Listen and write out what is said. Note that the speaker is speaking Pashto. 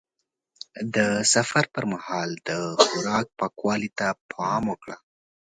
د سفر پر مهال د خوراک پاکوالي ته پام وکړه.